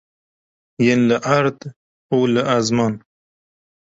Yên li erd û li ezman.